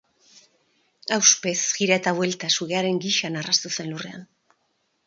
Ahuspez, jira eta buelta, sugearen gisa narrastu zen lurrean.